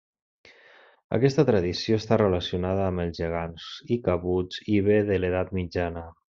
Aquesta tradició està relacionada amb els gegants i cabuts i ve de l'edat mitjana.